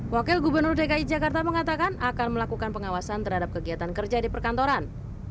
wakil gubernur dki jakarta mengatakan akan melakukan pengawasan terhadap kegiatan kerja di perkantoran